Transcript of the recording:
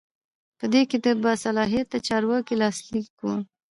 په دې کې د باصلاحیته چارواکي لاسلیک وي.